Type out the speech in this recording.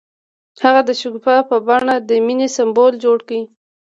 هغه د شګوفه په بڼه د مینې سمبول جوړ کړ.